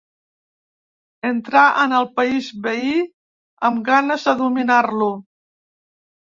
Entrà en el país veí amb ganes de dominar-lo.